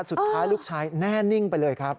สุดท้ายลูกชายแน่นิ่งไปเลยครับ